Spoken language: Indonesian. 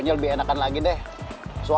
hai makasih di mana